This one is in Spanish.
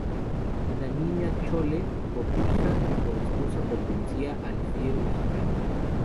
la Niña Chole por hija y por esposa, pertenecía al fiero mexicano